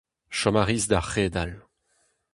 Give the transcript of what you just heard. Chom a ris da c'hedal.